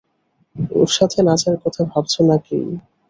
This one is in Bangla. ওর সাথে নাচার কথা ভাবছো নাকি?